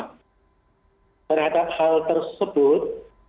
terhadap hal tersebut